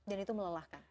dan itu melelahkan